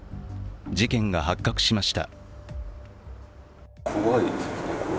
事件が発覚しました。